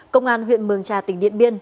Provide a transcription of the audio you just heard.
công an huyện mường trà tỉnh điện biên